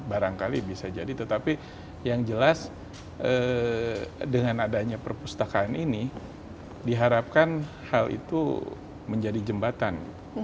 barangkali bisa jadi tetapi yang jelas dengan adanya perpustakaan ini diharapkan hal itu menjadi jembatan